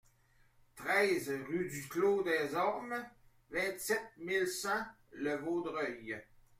treize rue du Clos des Ormes, vingt-sept mille cent Le Vaudreuil